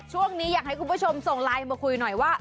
ช่วงนี้อยากให้คุณผู้ชมส่งไลน์มาคุยหน่อยว่า